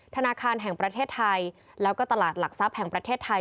ธนาคารแห่งประเทศไทยแล้วก็ตลาดหลักทรัพย์แห่งประเทศไทย